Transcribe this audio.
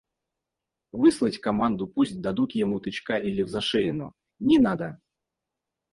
Выслать команду: пусть дадут ему тычка или взашеину! – Не надо.